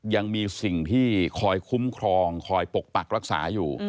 ยังมีสิ่งที่คอยคุ้มครองคอยปกปักรักษาอยู่